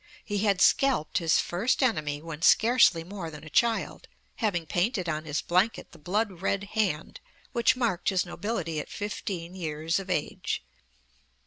He had scalped his first enemy when scarcely more than a child, having painted on his blanket the blood red hand which marked his nobility at fifteen years of age.